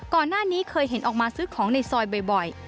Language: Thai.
ก่อนหน้านี้เคยเห็นออกมาซื้อของในซอยบ่อย